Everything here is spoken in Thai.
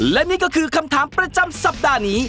และนี่ก็คือคำถามประจำสัปดาห์นี้